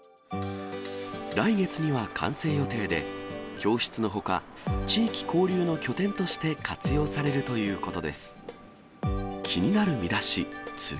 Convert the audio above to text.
来月には完成予定で、教室のほか、地域交流の拠点として活用されるということです。